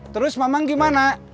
terus mamang gimana